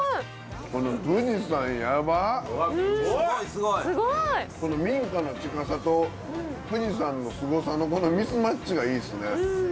すごい！民家の近さと富士山のすごさのこのミスマッチがいいっすね。